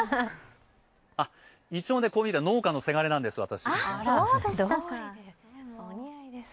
一応、こう見えて農家のせがれなんです、私。